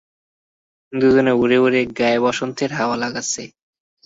দুজনে উড়ে উড়ে গায়ে বসন্তের হাওয়া লাগাচ্ছে।